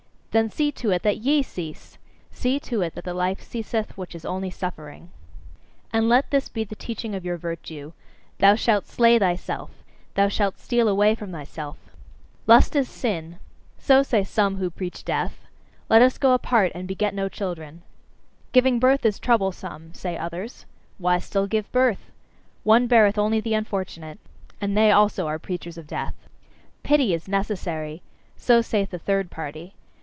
Then see to it that YE cease! See to it that the life ceaseth which is only suffering! And let this be the teaching of your virtue: "Thou shalt slay thyself! Thou shalt steal away from thyself!" "Lust is sin," so say some who preach death "let us go apart and beget no children!" "Giving birth is troublesome," say others "why still give birth? One beareth only the unfortunate!" And they also are preachers of death. "Pity is necessary," so saith a third party.